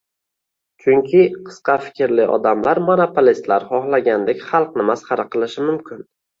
Chunki qisqa fikrli odamlar monopolistlar xohlagandek xalqni masxara qilishi mumkin